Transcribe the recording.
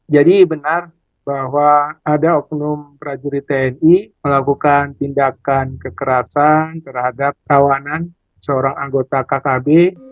jadi benar bahwa ada oknum prajurit tni melakukan tindakan kekerasan terhadap tawanan seorang anggota kkb